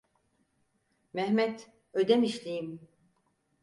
Mehmet, Ödemişliyim.